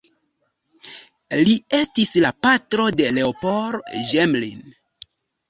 Li estis la patro de Leopold Gmelin.